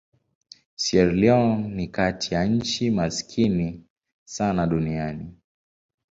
Sierra Leone ni kati ya nchi maskini sana duniani.